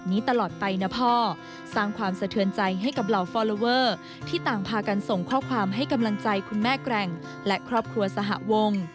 หล่อฟอลลอเวอร์ที่ต่างพากันส่งข้อความให้กำลังใจคุณแม่แกร่งและครอบครัวสหวง